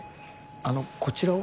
あのこちらは？